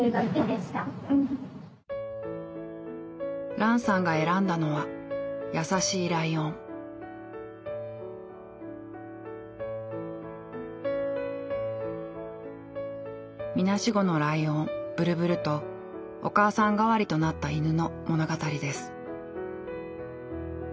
ランさんが選んだのはみなしごのライオンブルブルとお母さん代わりとなった犬の物語です。